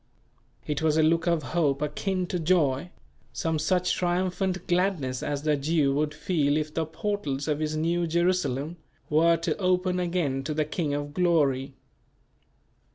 It was a look of hope akin to joy, some such triumphant gladness as the Jew would feel if the portals of his New Jerusalem were to open again to the King of Glory.